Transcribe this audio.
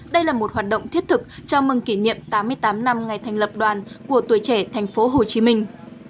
đây là một hoạt động thiết thực cho mừng kỷ niệm tám mươi tám năm ngày thành lập đoàn của tuổi trẻ thành phố hồ chí minh